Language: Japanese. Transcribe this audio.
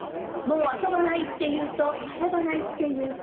『もう遊ばない』っていうと『遊ばない』っていう。